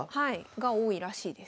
が多いらしいです。